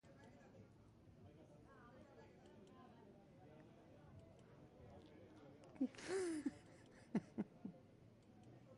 Arropa aldatzen ari zenean atera omen zizkioten.